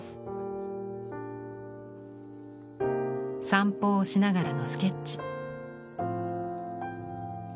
散歩をしながらのスケッチ。